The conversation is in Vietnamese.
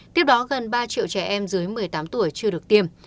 tiếp đó gần ba triệu trẻ em dưới một mươi tám tuổi chưa được tiêm